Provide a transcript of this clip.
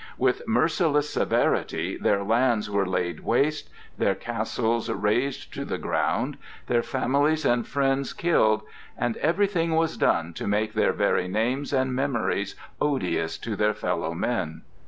With merciless severity their lands were laid waste, their castles razed to the ground, their families and friends killed, and everything was done to make their very names and memories odious to their fellow men.